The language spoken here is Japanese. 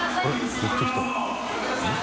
寄ってきた。